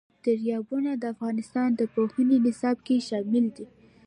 دریابونه د افغانستان د پوهنې نصاب کې شامل دي.